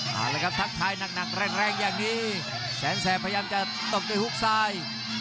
เอาละครับทักทายหนักแรงอย่างนี้แสนแสบพยายามจะตบด้วยฮุกซ้าย